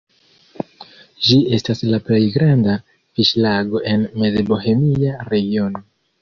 Ĝi estas la plej granda fiŝlago en Mezbohemia regiono.